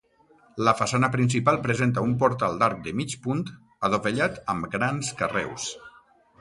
La façana principal presenta un portal d'arc de mig punt adovellat amb grans carreus.